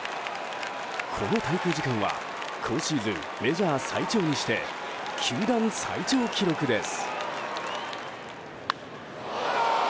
この滞空時間は今シーズンメジャー最長にして球団最長記録です。